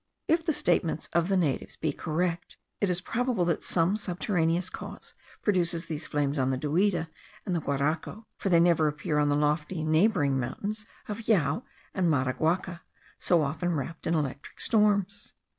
If the statements of the natives be correct, it is probable that some subterraneous cause produces these flames on the Duida and the Guaraco; for they never appear on the lofty neighbouring mountains of Jao and Maraguaca, so often wrapped in electric storms.